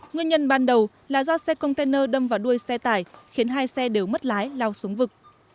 nguyên nhân ban đầu là do xe container đâm vào đuôi xe tải khiến hai xe đều mất lái lao xuống vực